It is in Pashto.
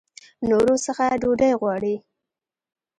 نورو څخه ډوډۍ غواړي.